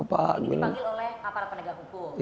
ini dipanggil oleh para penegak kubur